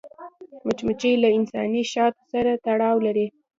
مچمچۍ له انساني شاتو سره تړاو لري